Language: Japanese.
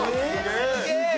すげえ！